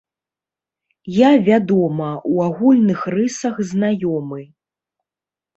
Я, вядома, у агульных рысах знаёмы.